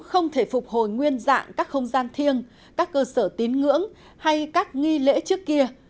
không thể phục hồi nguyên dạng các không gian thiêng các cơ sở tín ngưỡng hay các nghi lễ trước kia